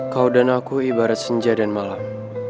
kau dan aku ibarat senja dan malam